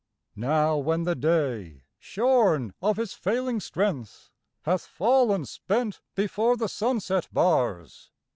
Now when the Day, shorn of his failing strength, Hath fallen spent before the sunset bars.